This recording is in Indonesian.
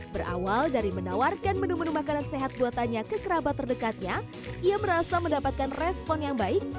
berawal dari menawarkan menu menu makanan sehat buatannya ke kerabat terdekatnya ia merasa mendapatkan respon yang baik